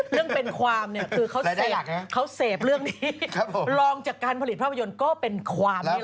เรื่องเป็นความเนี่ยคือเขาเสพเรื่องนี้ลองจากการผลิตภาพยนตร์ก็เป็นความนี่แหละ